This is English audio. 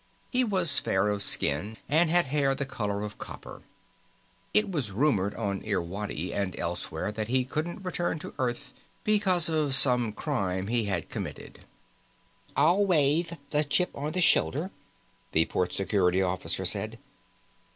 He was fair of skin and had hair the color of copper. It was rumored on Irwadi and elsewhere that he couldn't return to Earth because of some crime he had committed. "Alwayth the chip on the shoulder," the Port Security Officer said.